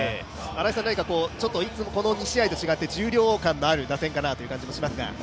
新井さん、ここまでの試合と違って重量感のある打線かなと感じますが。